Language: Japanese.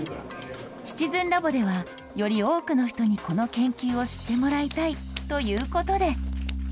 シチズンラボでは、より多くの人にこの研究を知ってもらいたいということで。